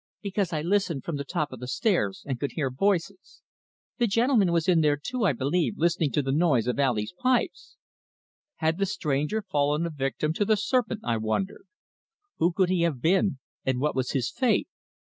"Because I listened from the top of the stairs, and could hear voices. The gentleman was in there too, I believe, listening to the noise of Ali's pipes." Had the stranger fallen a victim to the serpent, I wondered? Who could he have been, and what was his fate?